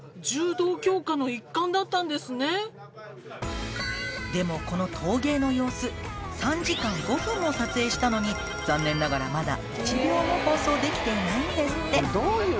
柔道強化の一環だったんですねでもこの陶芸の様子３時間５分も撮影したのに残念ながらまだ一秒も放送できていないんですって